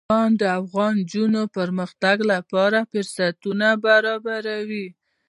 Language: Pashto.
بزګان د افغان نجونو د پرمختګ لپاره فرصتونه برابروي.